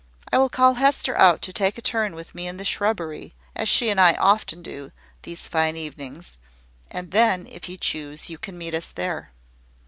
I will call Hester out to take a turn with me in the shrubbery, as she and I often do, these fine evenings; and then, if you choose, you can meet us there."